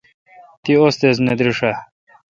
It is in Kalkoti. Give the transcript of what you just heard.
تی ؤستیذ نہ دریݭ آ؟